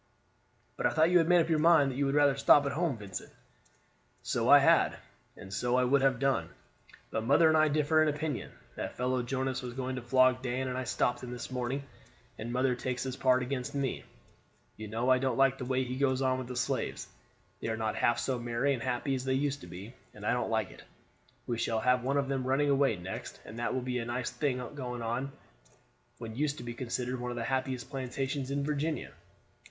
"But I thought you had made up your mind that you would rather stop at home, Vincent?" "So I had, and so I would have done, but mother and I differ in opinion. That fellow Jonas was going to flog Dan, and I stopped him this morning, and mother takes his part against me. You know, I don't like the way he goes on with the slaves. They are not half so merry and happy as they used to be, and I don't like it. We shall have one of them running away next, and that will be a nice thing on what used to be considered one of the happiest plantations in Virginia.